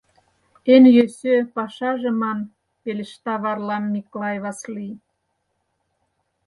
— Эн йӧсӧ пашаже ман... — пелешта Варлам Миклай Васлий.